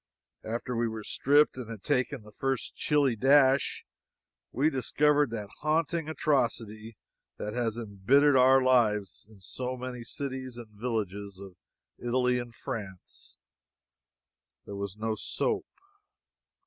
After we were stripped and had taken the first chilly dash, we discovered that haunting atrocity that has embittered our lives in so many cities and villages of Italy and France there was no soap.